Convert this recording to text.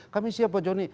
kami siapa jonny